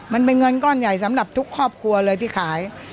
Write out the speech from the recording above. มันเป็นเงินก้อนใหญ่สำหรับทุกครอบครัวเลยที่ขาย